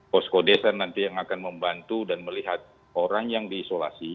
posko desa nanti yang akan membantu dan melihat orang yang diisolasi